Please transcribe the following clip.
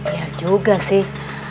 iya juga sih